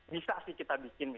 bisa sih kita bikin